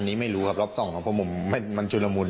อันนี้ไม่รู้ครับรอบสองเพราะผมไม่มันชุระมุน